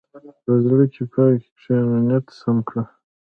په زړه پاکۍ کښېنه، نیت سم کړه.